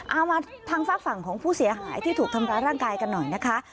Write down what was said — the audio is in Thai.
เอามาทางฝากฝั่งของผู้เสียหายที่ถูกทำร้ายร่างกายกันหน่อยนะคะ